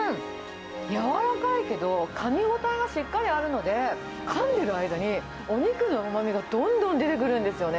柔らかいけど、かみ応えがしっかりあるので、かんでる間に、お肉のうまみがどんどん出てくるんですよね。